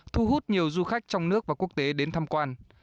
thu hút nhiều du khách trong nước và quốc tế đến tham quan